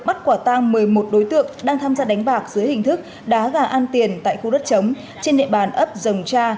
bắt quả tang một mươi một đối tượng đang tham gia đánh bạc dưới hình thức đá gà ăn tiền tại khu đất trống trên địa bàn ấp rồng cha